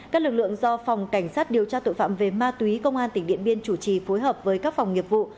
các lực lượng do phòng cảnh sát điều tra tội phạm về ma túy công an tp hcm chủ trì phối hợp với các phòng nghiệp vụ